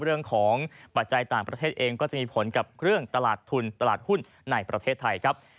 ปัจจัยต่างประเทศเองก็จะมีผลกับเรื่องตลาดทุนตลาดหุ้นในประเทศไทยครับ